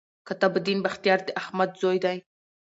قطب الدین بختیار د احمد زوی دﺉ.